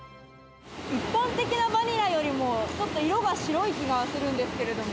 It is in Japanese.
一般的なバニラよりもちょっと色が白い気がするんですけれども。